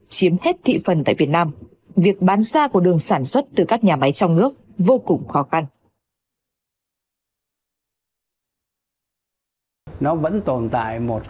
chiếm hết tiền lợi của nhà máy việt nam